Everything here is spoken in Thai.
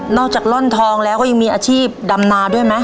จากร่อนทองแล้วก็ยังมีอาชีพดำนาด้วยไหม